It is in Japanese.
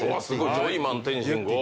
ジョイマン天津５。